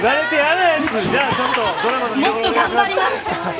もっと頑張ります。